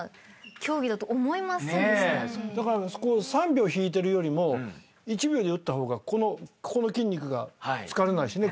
３秒引いてるよりも１秒で打った方がここの筋肉が疲れないしね。